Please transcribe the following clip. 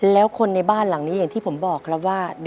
แล้วคนในบ้านหลังนี้อย่างที่ผมบอกครับว่า